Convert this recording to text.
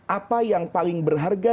apa yang paling berharga